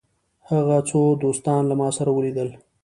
هغه څو دوستان له ما سره ولیدل.